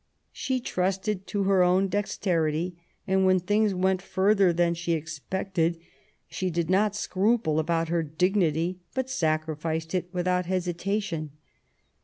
She trusted to her own dexterity ; and when things went further than she expected she did not scruple about her dignity, but sacrificed it without hesitation.